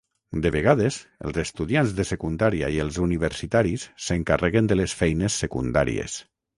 De vegades, els estudiants de secundària i els universitaris s'encarreguen de les feines secundàries.